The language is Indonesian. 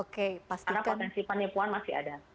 karena potensi penipuan masih ada